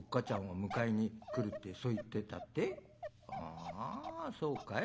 あそうかい。